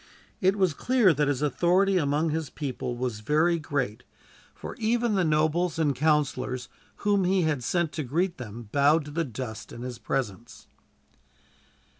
It was clear that his authority among his people was very great, for even the nobles and councilors whom he had sent to greet them bowed to the dust in his presence.